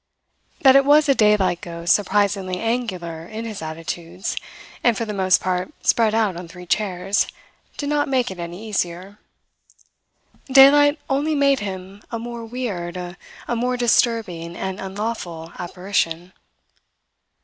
That it was a daylight ghost surprisingly angular in his attitudes, and for the most part spread out on three chairs, did not make it any easier. Daylight only made him a more weird, a more disturbing and unlawful apparition.